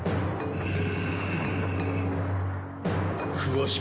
うん。